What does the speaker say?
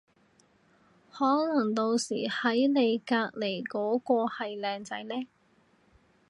可能到時喺你隔離嗰個係靚仔呢